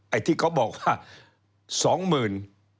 ไอ้ที่เขาบอกว่า๒หมื่น